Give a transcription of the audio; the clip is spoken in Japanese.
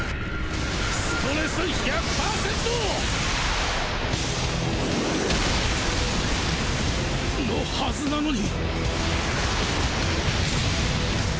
ストレス １００％！のハズなのに！！